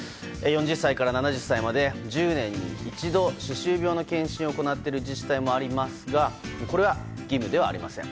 ４０歳から７０歳まで１０年に一度歯周病の検診を行っている自治体もありますがこれは義務ではありません。